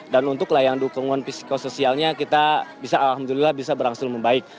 dan untuk layang dukungan psikosoialnya kita bisa alhamdulillah bisa berhasil membaik